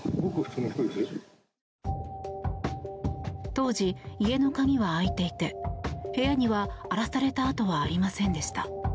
当時、家の鍵は開いていて部屋には荒らされた跡はありませんでした。